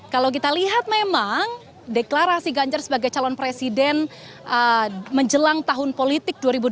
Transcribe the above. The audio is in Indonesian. kalau kita lihat memang deklarasi ganjar sebagai calon presiden menjelang tahun politik dua ribu dua puluh